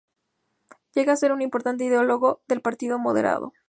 Llegó a ser un importante ideólogo del Partido moderado.